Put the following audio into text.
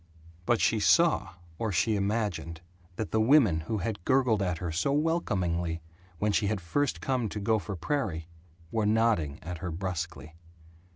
But she saw or she imagined that the women who had gurgled at her so welcomingly when she had first come to Gopher Prairie were nodding at her brusquely.